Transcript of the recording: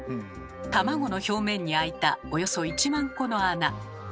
卵の表面に開いたおよそ１万個の穴。